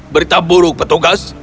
berita buruk petugas